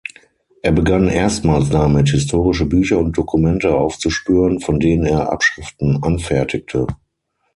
Er begann erstmals damit, historische Bücher und Dokumente aufzuspüren, von denen er Abschriften anfertigte.